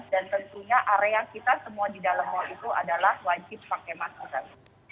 dan tentunya area kita semua di dalam mal itu adalah wajib pakai maskotan